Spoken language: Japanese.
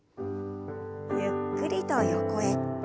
ゆっくりと横へ。